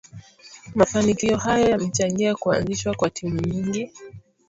Mafanikio hayo yamechangia kuazishwa kwa timu nyingi